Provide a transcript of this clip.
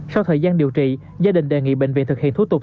sau thời gian điều trị gia đình đề nghị bệnh viện thực hiện thủ tục